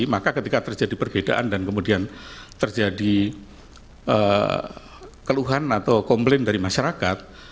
maka ketika terjadi perbedaan dan kemudian terjadi keluhan atau komplain dari masyarakat